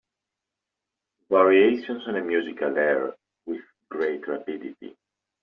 Variations on a musical air With great rapidity.